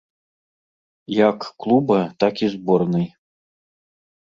Як клуба, так і зборнай.